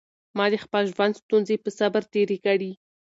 ما د خپل ژوند ستونزې په صبر تېرې کړې.